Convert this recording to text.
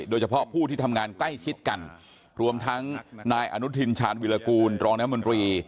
โดยเฉพาะผู้ที่ทำงานใกล้ชิดกันรวมทั้งนายอนุทินชาญวิรากูลรองน้ำมนตรี